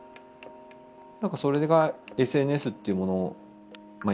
なんかそれがＳＮＳっていうものまあ